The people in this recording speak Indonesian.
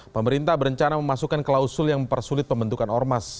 pemerintah berencana memasukkan klausul yang mempersulit pembentukan ormas